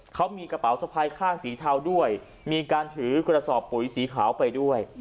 เขามีกระเป๋าสะพายข้างสีเทาด้วยมีการถือกระสอบปุ๋ยสีขาวไปด้วย